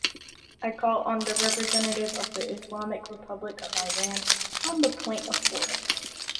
I call on the representative of the Islamic Republic of Iran on the point of order.